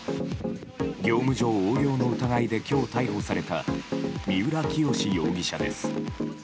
業務上横領の疑いで今日、逮捕された三浦清志容疑者です。